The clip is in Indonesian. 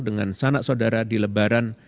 dengan sanak saudara di lebaran